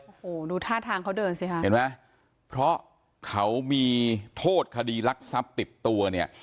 โอ้โหดูท่าทางเขาเดินสิค่ะเห็นไหมเพราะเขามีโทษคดีรักทรัพย์ติดตัวเนี่ย